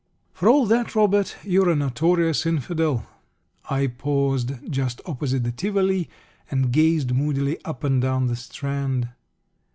"For all that, Robert, you're a notorious Infidel." I paused just opposite the Tivoli and gazed moodily up and down the Strand.